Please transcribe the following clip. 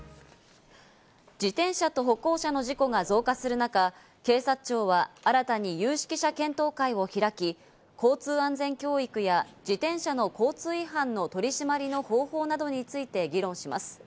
自転車と歩行者の事故が増加する中、警察庁は新たに有識者検討会を開き、交通安全教育や自転車の交通違反の取り締まりの方法などについて議論します。